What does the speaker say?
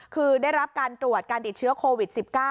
คือได้รับการตรวจการติดเชื้อโควิด๑๙